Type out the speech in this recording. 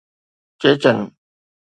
چيچن